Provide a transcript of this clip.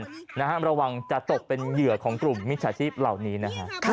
สามารถให้เราดูกันระวังจะตกเป็นเหยื่อของกลุ่มมิจชาติครับเหล่านี้นะคะ